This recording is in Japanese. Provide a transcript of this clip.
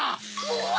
うわ！